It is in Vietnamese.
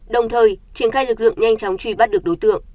đồng thời triển khai lực lượng nhanh chóng truy bắt được đối tượng